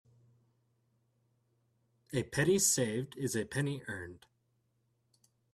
A penny saved is a penny earned.